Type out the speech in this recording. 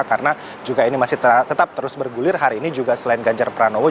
karena juga ini masih tetap terus bergulir hari ini juga selain ganjar pranowo